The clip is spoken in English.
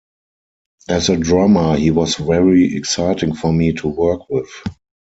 As a drummer, he was very exciting for me to work with.